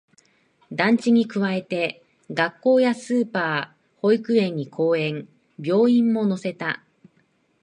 団地に加えて、学校やスーパー、保育園に公園、病院も乗せた